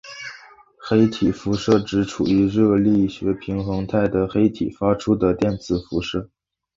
黑体辐射指处于热力学平衡态的黑体发出的电磁辐射。